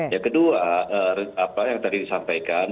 yang kedua apa yang tadi disampaikan